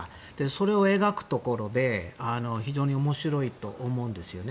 それを描くところで非常に面白いと思うんですよね。